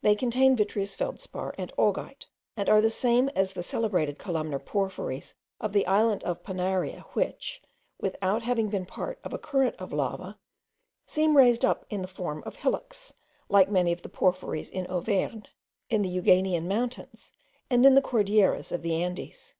They contain vitreous feldspar, and augite, and are the same as the celebrated columnar porphyries of the island of Panaria, which, without having been part of a current of lava, seem raised up in the form of hillocks, like many of the porphyries in Auvergne, in the Euganean mountains, and in the Cordilleras of the Andes.